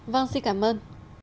vâng xin cảm ơn